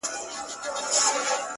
ولاكه مو په كار ده دا بې ننگه ككرۍ-